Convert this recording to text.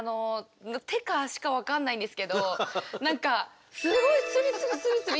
手か足か分かんないんですけど何かすごいスリスリスリスリ